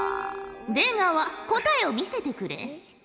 出川答えを見せてくれ。